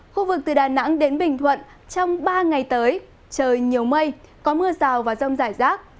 khu vực từ đà nẵng đến bình thuận trong ba ngày tới trời nhiều mây có mưa rào và rông rải rác